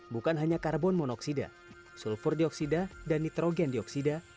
bukan hanya karbon monoksida sulfur dioksida dan nitrogen dioksida